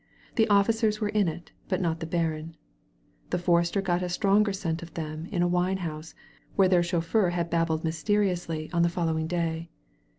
The officers were in it, but not the baron. The forester got a stronger scent of them in a wine house, where their chauffeur had babbled mysteriously on the follow ing day.